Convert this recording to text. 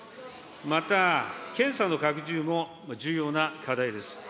また、検査の拡充も重要な課題です。